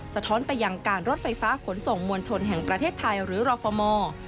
สะท้อนไปยังการรถไฟฟ้าขนส่งมวลชนแห่งประเทศไทยหรือรฟมอร์